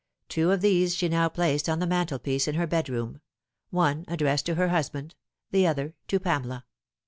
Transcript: Two of these she now placed on the mantelpiece in her bedroom : one addressed to her husband, the other to Pamela.